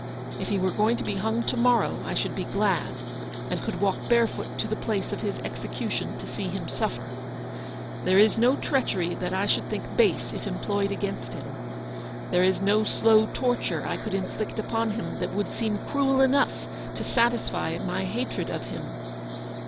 If he were going to be hung to morrow, I should be glad; and could walk barefoot to the place of his execution to see him suffer. There is no treachery that I should think 232 Eleanor's victory. base if employed against him. There is no slow torture I could inflict upon him that would seem cruel enough to satisfy my hatred of him.